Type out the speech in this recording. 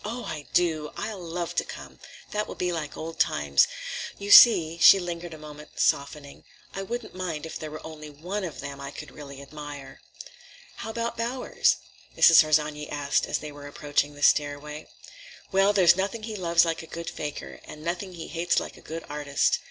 "Oh, I do! I'll love to come; that will be like old times. You see," she lingered a moment, softening, "I wouldn't mind if there were only one of them I could really admire." "How about Bowers?" Mrs. Harsanyi asked as they were approaching the stairway. "Well, there's nothing he loves like a good fakir, and nothing he hates like a good artist.